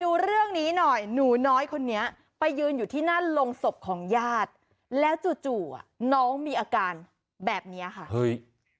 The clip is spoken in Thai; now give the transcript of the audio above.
ดูเรื่องนี้หน่อยหนูน้อยคนนี้ไปยืนอยู่ที่หน้าโรงศพของญาติแล้วจู่จู่อ่ะน้องมีอาการแบบเนี้ยค่ะเฮ้ย